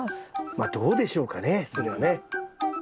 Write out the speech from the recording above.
まあどうでしょうかねそれはね。